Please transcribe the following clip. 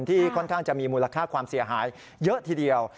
ที่ค่อนข้างจะมีมูลค่าความเสียหายเยอะทีเดียว